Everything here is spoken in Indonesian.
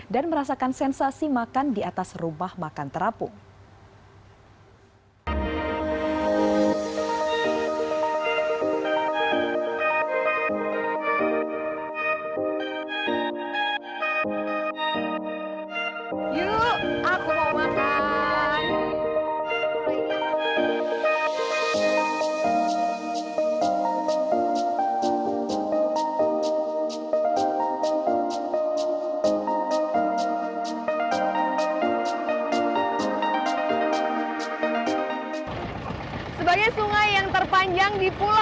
dan merasakan sensasi makan di atas rumah makan terapung